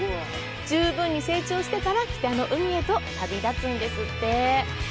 十分に成長してから北の海へと旅立つのだそうです。